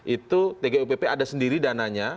itu tgupp ada sendiri dananya